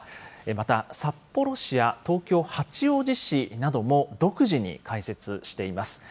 また、札幌市や東京・八王子市なども独自に開設しています。